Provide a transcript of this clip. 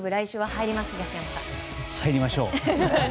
入りましょう。